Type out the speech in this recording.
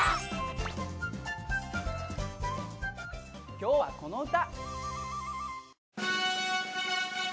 今日はこの歌。